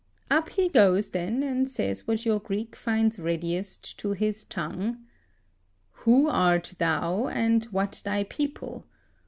Up he goes, then, and says what your Greek finds readiest to his tongue: "Who art thou, and what thy people?